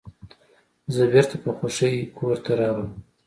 زه بیرته په خوښۍ کور ته راغلم.